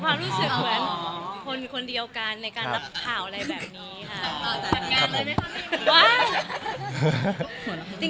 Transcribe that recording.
ความรู้สึกเหมือนคนคนเดียวกันในการรับข่าวอะไรแบบนี้ค่ะ